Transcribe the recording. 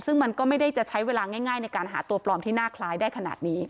ซึ่งมันก็ไม่ได้จะใช้เวลาง่ายในการหาตัวปลอมที่น่าคล้ายได้ขนาดนี้